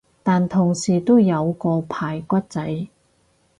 但同時都有個排骨仔